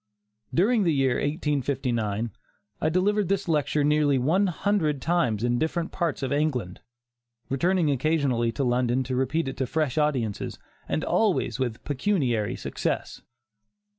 During the year 1859, I delivered this lecture nearly one hundred times in different parts of England, returning occasionally to London to repeat it to fresh audiences, and always with pecuniary success.